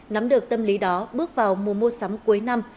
nắm được tâm lý đó bước vào mùa mua sắm cuối năm